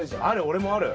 俺もある。